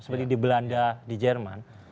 seperti di belanda di jerman